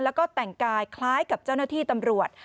แล้วก็แต่งกายคล้ายกับเจ้าหน้าที่ตำรวจ